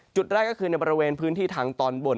จุดแรกก็คือในบริเวณพื้นที่ทางตอนบน